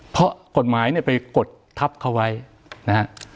เพราะกฎหมายเนี่ยไปกดทับเขาไว้นะฮะ